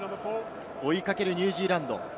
追いかけるニュージーランド。